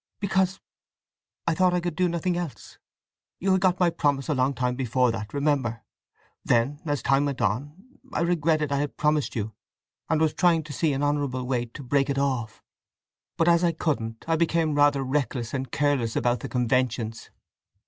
"Because I thought I could do nothing else. You had got my promise a long time before that, remember. Then, as time went on, I regretted I had promised you, and was trying to see an honourable way to break it off. But as I couldn't I became rather reckless and careless about the conventions.